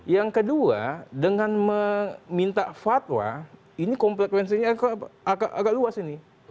yang kedua dengan meminta fatwa ini kompetensinya agak luas ini